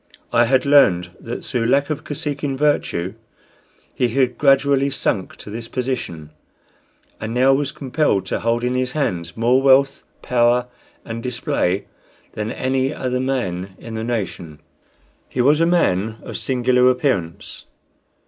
I had learned that through lack of Kosekin virtue he had gradually sunk to this position, and now was compelled to hold in his hands more wealth, power, and display than any other man in the nation. He was a man of singular appearance.